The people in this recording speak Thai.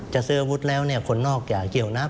จะซื้ออาวุธแล้วเนี่ยคนนอกจากเกี่ยวนัก